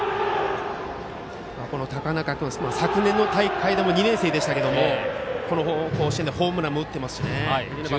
高中君は昨年の大会でも２年生でしたけどこの甲子園でホームランも打っていますしね。